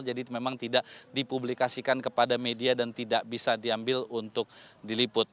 jadi memang tidak dipublikasikan kepada media dan tidak bisa diambil untuk diliput